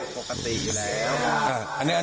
ผมก็ไม่ได้ห้ามนะ